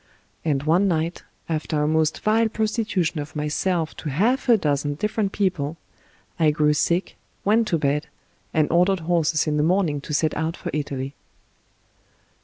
And one night, after a most vile prostitution of myself to half a dozen different people, I grew sick, went to bed, and ordered horses in the morning to set out for Italy.